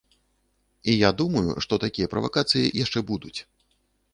І я думаю, што такія правакацыі яшчэ будуць.